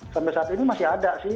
sampai saat ini masih ada sih